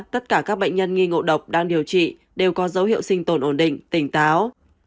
tất cả các bệnh nhân nghi ngộ độc đang điều trị đều có dấu hiệu sinh tồn ổn định tỉnh táo